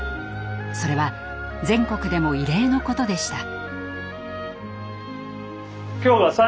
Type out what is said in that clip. それは全国でも異例のことでした。